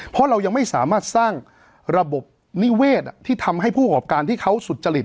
เพราะเรายังไม่สามารถสร้างระบบนิเวศที่ทำให้ผู้ประกอบการที่เขาสุจริต